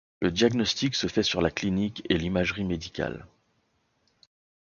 Le diagnostic se fait sur la clinique et l'imagerie médicale.